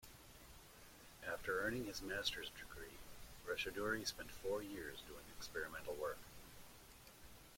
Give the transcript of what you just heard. After earning his master's degree, Raychaudhuri spent four years doing experimental work.